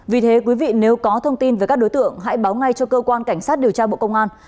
vì thế quý vị nếu có thông tin về các đối tượng hãy báo ngay cho cơ quan cảnh sát điều tra bộ công an